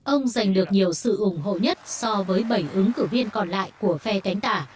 ông giành được nhiều sự ủng hộ nhất so với bảy ứng cử viên còn lại của phe cánh tả